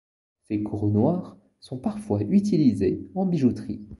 Ces coraux noirs sont parfois utilisés en bijouterie.